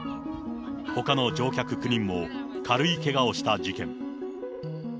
ほかの乗客９人も軽いけがをした事件。